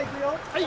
はい！